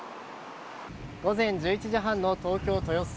午前１１時半の東京・豊洲。